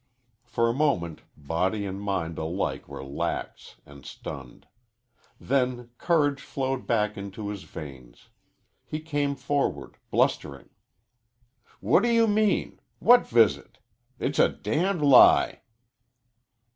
For a moment body and mind alike were lax and stunned. Then courage flowed back into his veins. He came forward, blustering. "What do you mean? What visit? It's a damned lie."